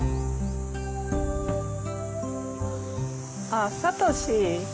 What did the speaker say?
あっサトシ。